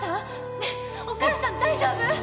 ねえお母さん大丈夫！？